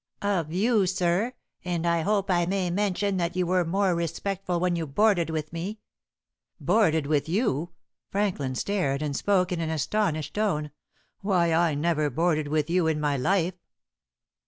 "Of you, sir; and I hope I may mention that you were more respectful when you boarded with me." "Boarded with you!" Franklin stared, and spoke in an astonished tone. "Why, I never boarded with you in my life!"